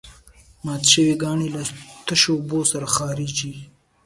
مات شوي کاڼي له تشو بولو سره خارجېږي.